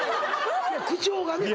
口調がね